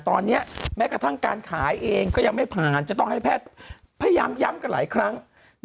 ตอนนี้แม้กระทั่งการขายเองก็ยังไม่ผ่านจะต้องให้แพทย์พยายามย้ำกันหลายครั้ง